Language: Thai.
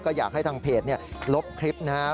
ก็อยากให้ทางเพจลบคลิปนะครับ